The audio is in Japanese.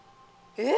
えっ？